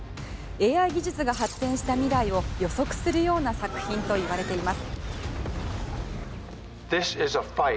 ＡＩ技術が発展した未来を予測するような作品といわれています。